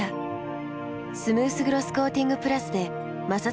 スムースグロスコーティングプラスで摩擦ダメージも低減。